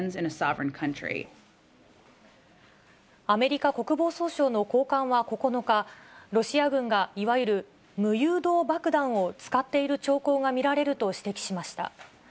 アメリカ国防総省の高官は９日、ロシア軍がいわゆる無誘導爆弾を使っている兆候が見られると指摘しました。